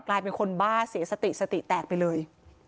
กลายเป็นคนบ้าเสียสติสติแตกไปเลย